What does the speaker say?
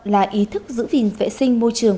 là ý thức giữ vị vệ sinh môi trường